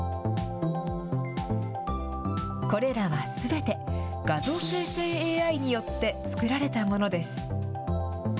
これらはすべて、画像生成ＡＩによって作られたものです。